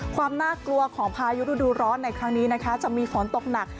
ความน่ากลัวของพายุฤดูร้อนในครั้งนี้นะคะจะมีฝนตกหนัก